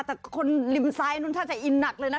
แต่คนริมซ้ายนู้นถ้าจะอินหนักเลยนะ